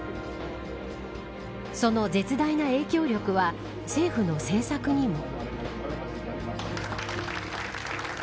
その絶大な影響力は政府の政策にも。